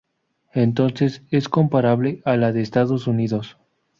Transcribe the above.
Entonces, es comparable a la de Estados Unidos.